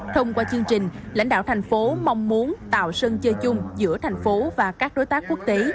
thông qua chương trình lãnh đạo thành phố mong muốn tạo sân chơi chung giữa thành phố và các đối tác quốc tế